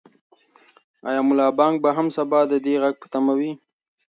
آیا ملا بانګ به سبا هم د دې غږ په تمه وي؟